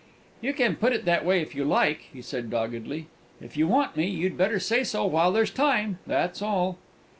"You can put it that way if you like," he said doggedly. "If you want me, you'd better say so while there's time, that's all!"